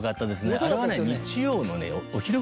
あれはね。